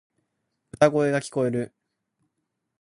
歌声が聞こえる。